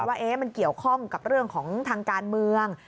ว่ามันเกี่ยวข้องกับเรื่องของทางการเมือง